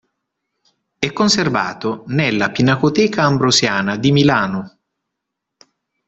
È conservato nella Pinacoteca Ambrosiana di Milano.